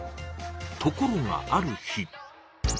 ところがある日。